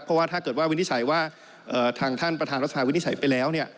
เพราะว่าถ้าเกิดว่าวินิจฉัยว่าทางท่านประธานรัฐวินิจฉัยไปแล้วเนี่ย